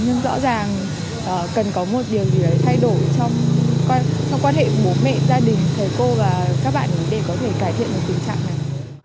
nhưng rõ ràng cần có một điều gì thay đổi trong quan hệ bố mẹ gia đình thầy cô và các bạn để có thể cải thiện được tình trạng này